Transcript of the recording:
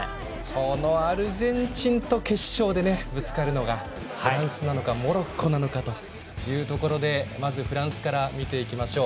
アルゼンチンと決勝でぶつかるのがフランスなのかモロッコなのかというところでまずフランスから見ていきましょう。